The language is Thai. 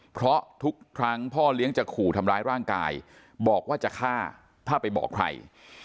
เพราะทุกครั้งพ่อเลี้ยงจะขู่ทำร้ายร่างกายบอกว่าจะฆ่าถ้าไปบอกใคร